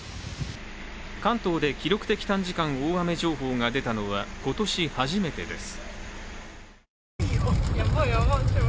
関東で記録的短時間大雨情報が出たのは今年初めてです。